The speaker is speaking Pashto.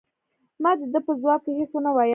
ما د ده په ځواب کې هیڅ ونه ویل.